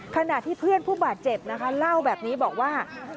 ขณะที่เพื่อนผู้บาดเจ็บนะคะเล่าแบบนี้บอกว่า